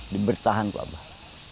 dibertahan ke abah